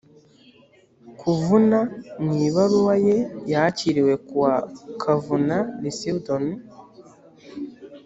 kavuna mu ibaruwa ye yakiriwe kuwa kavuna receved on